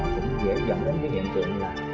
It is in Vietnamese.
cũng dễ dàng đến cái hiện tượng là